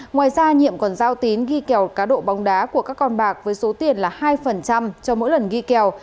ngoài ra nhiệm còn giao tín ghi kèo cá độ bóng đá của các con bạc với số tiền là hai cho mỗi lần ghi kèo